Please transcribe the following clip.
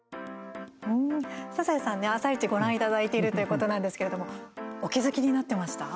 笹谷さんね、「あさイチ」ご覧いただいているということなんですけれどもお気付きになってました？